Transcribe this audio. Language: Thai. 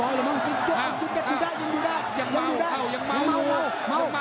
โอ้โหโอ้โหโอ้โหโอ้โหโอ้โหโอ้โหโอ้โหโอ้โห